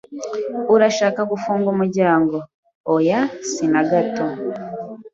"Urashaka gufunga umuryango?" "Oya, si na gato."